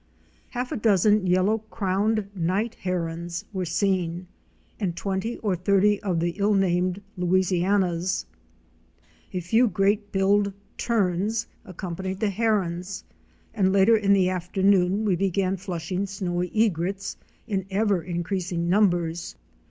Half a dozen Yellow crowned Night Herons * were seen and twenty or thirty of the illnamed Louisianas.* <A few Great billed Terns "* accompanied the herons and later in the afternoon we began flushing Snowy Egrets * in ever increas ing numbers.